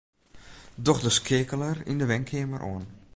Doch de skeakeler yn 'e wenkeamer oan.